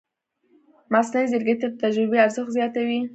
مصنوعي ځیرکتیا د تجربې ارزښت زیاتوي.